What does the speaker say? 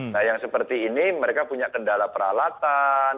nah yang seperti ini mereka punya kendala peralatan